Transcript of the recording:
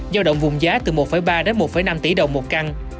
ba một năm tỷ đồng một căn